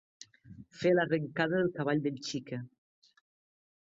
Fer l'arrencada del cavall del Xica.